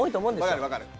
分かる分かる。